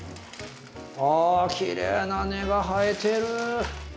あきれいな根が生えてる。